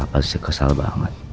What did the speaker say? ini padahal kesalahan dari culprit